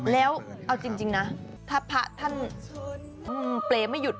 แล้วเอาจริงนะถ้าพระท่านเปรย์ไม่หยุด